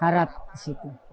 karat di situ